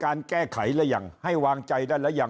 คราวนี้เจ้าหน้าที่ป่าไม้รับรองแนวเนี่ยจะต้องเป็นหนังสือจากอธิบดี